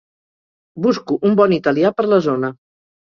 Busco un bon italià per la zona.